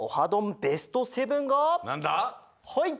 ベスト７がはい！